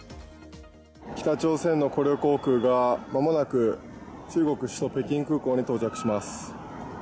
北朝鮮のコリョ航空が間もなく中国首都・北京空港に到着します。